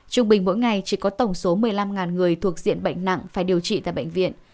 trung bình mỗi ngày chỉ có tổng số một mươi năm người thuộc diện bệnh nặng phải điều trị tại bệnh viện